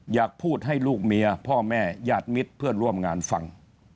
อยากพูดให้ลูกเมียพ่อแม่ญาติมิตรเพื่อนร่วมงานฟัง